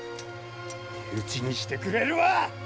手討ちにしてくれるわ！